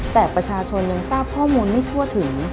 แต่ประชาชนยังทราบข้อมูลไม่ทั่วถึง